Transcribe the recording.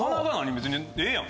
別にええやん。